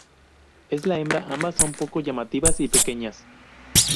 En la hembra ambas son poco llamativas y pequeñas.